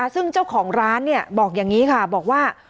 ซึ่งเจ้าของร้านบอกอย่างนี้ค่ะบอกว่า